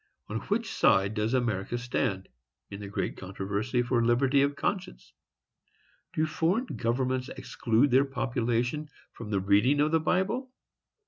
On which side does America stand, in the great controversy for liberty of conscience? Do foreign governments exclude their population from the reading of the Bible?